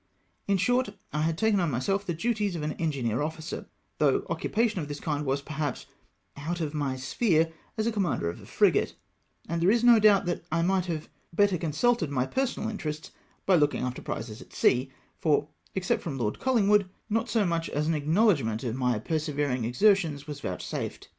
In short, I had taken on myself the duties of an engineer officer, though occupation of this kind was, perhaps, out of my sphere as commander of a frigate ; and there is no doubt that I miglit have better con sulted my personal interests by looking after prizes at sea, for, except from Lord Colhngwood, not so much as an acknowledgment of my persevering exertions was vouchsafed.